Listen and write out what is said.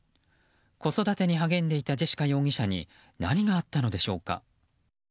子育てに励んでいたジェシカ容疑者に何があったのでしょうか。